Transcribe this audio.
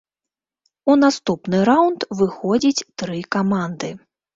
У наступны раўнд выходзіць тры каманды.